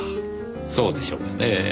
そうでしょうかねぇ。